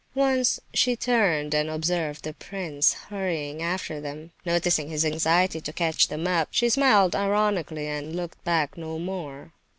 Once she turned and observed the prince hurrying after them. Noticing his anxiety to catch them up, she smiled ironically, and then looked back no more.